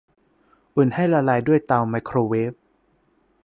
อุ่นให้ละลายด้วยเตาไมโครเวฟ